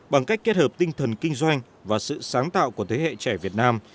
bằng cách kết hợp tinh thần kinh doanh và sự sáng tạo của thế hệ trẻ việt nam